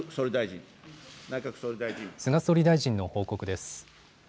菅総理大臣の報告です。